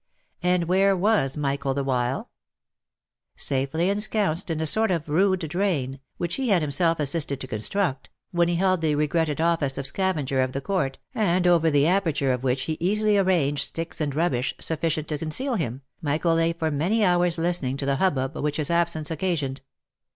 And where was Michael the while ? Safely ensconced in a sort of rude drain, which he had himself assisted to construct, when he held the regretted office of scavenger of the court, and over the aperture of which he easily arranged sticks and rubbish sufficient to conceal him, Michael lay for many hours listening to the hubbub which his absence occasioned.